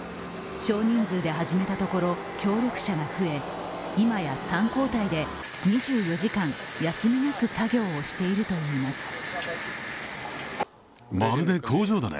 少人数で始めたところ、協力者が増え今や３交代で２４時間、休みなく作業をしているといいます。